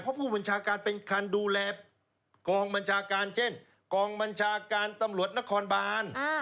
เพราะผู้บัญชาการเป็นคันดูแลกองบัญชาการเช่นกองบัญชาการตำรวจนครบาน